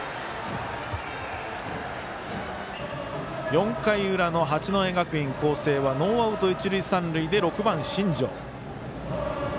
４回裏の八戸学院光星はノーアウト、一塁三塁で６番、新城。